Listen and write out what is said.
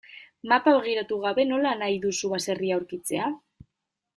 Mapa begiratu gabe nola nahi duzu baserria aurkitzea?